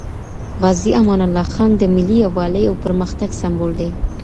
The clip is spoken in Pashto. غازي امان الله خان د ملي یووالي او پرمختګ سمبول دی.